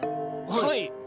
はい。